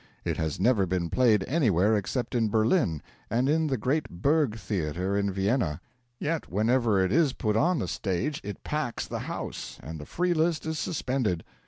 It has never been played anywhere except in Berlin and in the great Burg Theatre in Vienna. Yet whenever it is put on the stage it packs the house, and the free list is suspended.